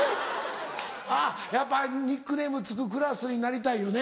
あっやっぱニックネーム付くクラスになりたいよね。